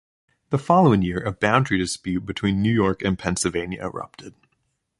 The following year, a boundary dispute between New York and Pennsylvania erupted.